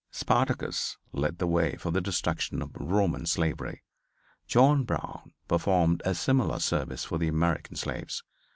Spartacus led the way for the destruction of Roman slavery. John Brown performed a similar service for the American slaves.